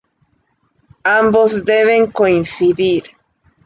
Ambos deben coincidir.